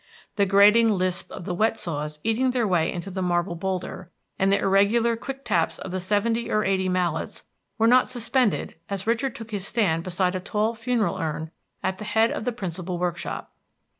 The grating lisp of the wet saws eating their way into the marble boulder, and the irregular quick taps of the seventy or eighty mallets were not suspended as Richard took his stand beside a tall funereal urn at the head of the principal workshop.